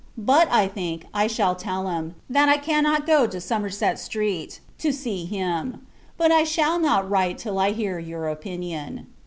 But, I think, I shall tell him, that I cannot go to Somerset Street, to see him. But, I shall not write till I hear your opinion.